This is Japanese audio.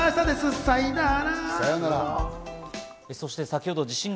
さいなら。